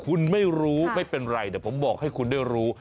คุณไม่รู้ไม่เป็นไรเดี๋ยวผมบอกให้คุณได้รู้